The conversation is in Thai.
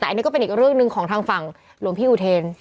แต่อันนี้ก็เป็นอีกเรื่องหนึ่งของทางฝั่งหลวงพี่อุเทน